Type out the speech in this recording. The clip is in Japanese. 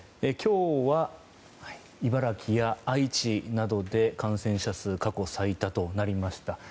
今日は茨城や愛知などで感染者数過去最多となりました。